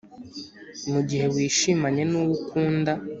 Mugihe wishimanye nuwo ukunda